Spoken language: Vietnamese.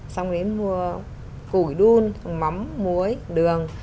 xong rồi đến mua củi đun mắm muối đường